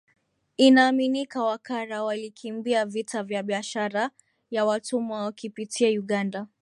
Inaaminika Wakara walikimbia vita vya biashara ya watumwa wakipitia Uganda